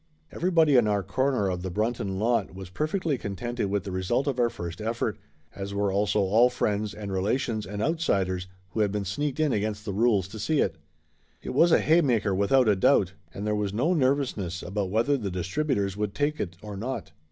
Everybody on our corner of the Brunton lot was perfectly contented with the result of our first effort, as were also all friends and relations and outsiders who had been sneaked in against the rules to see it. It was a haymaker, without a doubt, and there was no nervousness about whether the distributors would take it or not.